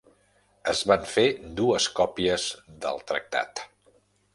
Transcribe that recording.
Es van fer dues còpies del tractat.